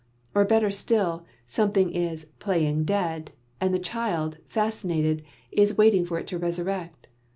Or better still, something is "playing dead," and the child, fascinated, is waiting for it to resurrect.